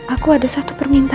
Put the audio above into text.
aku ada satu permintaan